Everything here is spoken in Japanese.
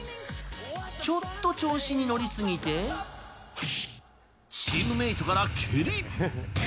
ちょっと調子乗りすぎて、チームメートから蹴り！